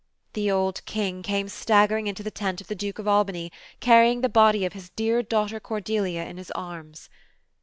The old King came staggering into the tent of the Duke of Albany, carrying the body of his dear daughter Cordelia in his arms.